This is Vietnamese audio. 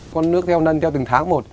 con nước theo nâng theo từng tháng một